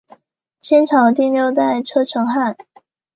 清朝第六代车臣汗。